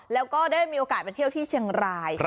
แล้วก็ได้มีโอกาสไปเที่ยวที่เชียงราย